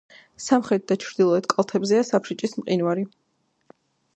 სამხრეთ და ჩრდილოეთ კალთებზეა საფრიჭის მყინვარი.